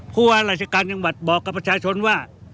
ว่าราชการจังหวัดบอกกับประชาชนว่า